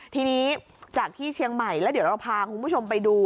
ทีนี้จากที่เชียงใหม่แล้วเดี๋ยวเราพาคุณผู้ชมไปดู